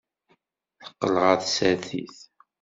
Teqqel ɣer tsertit.